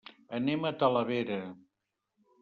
Anem a Talavera.